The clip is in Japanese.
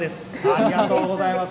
ありがとうございます。